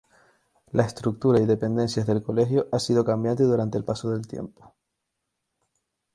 La estructura y dependencias del colegio ha sido cambiante durante el paso del tiempo.